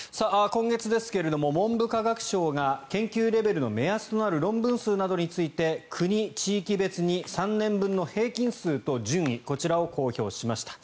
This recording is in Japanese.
今月ですが文部科学省が研究レベルの目安となる論文数などについて国、地域別に３年分の平均数と順位こちらを公表しました。